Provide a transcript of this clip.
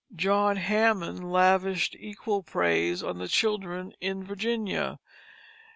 John Hammond lavished equal praise on the children in Virginia.